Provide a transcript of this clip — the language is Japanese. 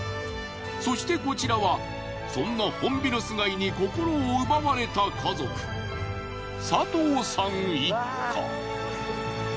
そしてこちらはそんなホンビノス貝に心を奪われた家族佐藤さん一家。